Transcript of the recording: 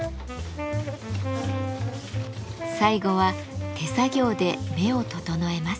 最後は手作業で目を整えます。